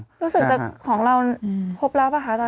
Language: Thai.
รู้สึกจะของเราครบแล้วป่ะคะอาจาร